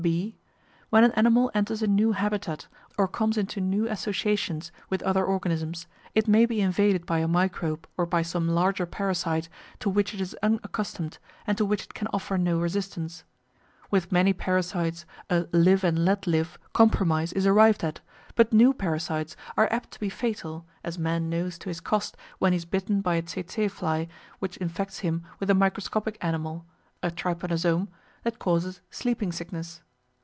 (b) When an animal enters a new habitat, or comes into new associations with other organisms, it may be invaded by a microbe or by some larger parasite to which it is unaccustomed and to which it can offer no resistance. With many parasites a "live and let live" compromise is arrived at, but new parasites are apt to be fatal, as man knows to his cost when he is bitten by a tse tse fly which infects him with the microscopic animal (a Trypanosome) that causes Sleeping Sickness.